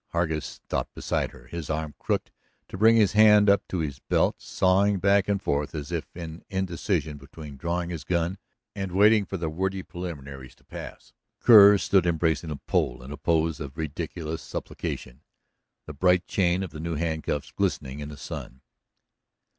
Hargus stopped beside her, his arm crooked to bring his hand up to his belt, sawing back and forth as if in indecision between drawing his gun and waiting for the wordy preliminaries to pass. Kerr stood embracing the pole in a pose of ridiculous supplication, the bright chain of the new handcuffs glistening in the sun.